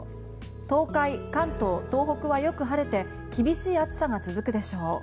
東海、関東、東北はよく晴れて厳しい暑さが続くでしょう。